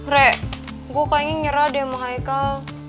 rek gue kayaknya nyerah deh sama hicle